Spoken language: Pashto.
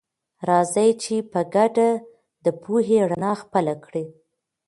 راځئ چې په ګډه د پوهې رڼا خپله کړه.